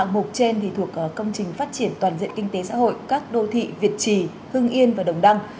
mục trên thì thuộc công trình phát triển toàn diện kinh tế xã hội các đô thị việt trì hưng yên và đồng đăng